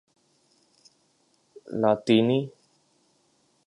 لاطینی